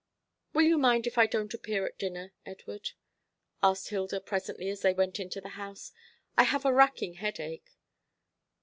"Will you mind if I don't appear at dinner, Edward?" asked Hilda presently, as they went into the house. "I have a racking headache."